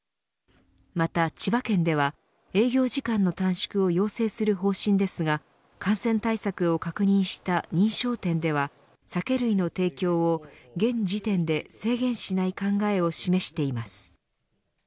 また千葉県では営業時間の短縮を要請する方針ですが感染対策を確認した認証店では酒類の提供を現時点で制限しない考えを示しています。